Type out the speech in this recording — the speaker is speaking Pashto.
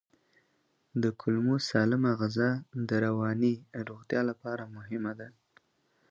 د کولمو سالمه غذا د رواني روغتیا لپاره مهمه ده.